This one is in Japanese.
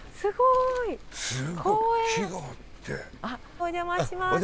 お邪魔します。